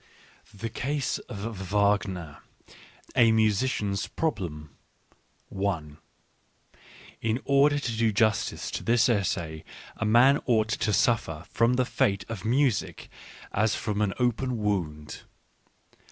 "The Case of Wagner: A Musician's Problem" In order to do justice to this essay a man ought to suffer from the fate of music as from an open wound.